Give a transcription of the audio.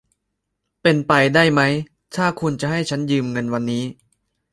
เป็นไปได้ไหม ถ้าคุณจะให้ฉันยืมเงินวันนี้